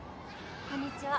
こんにちは。